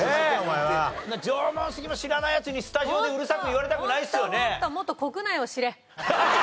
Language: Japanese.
縄文杉も知らないヤツにスタジオでうるさく言われたくないですよね。